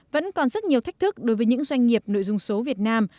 vẫn còn rất nhiều thách thức đối với những doanh nghiệp nội dung số việt nam